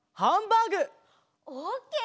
オッケー！